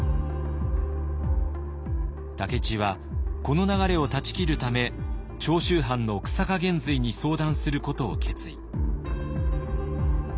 武市はこの流れを断ち切るため長州藩の久坂玄瑞に相談することを決意。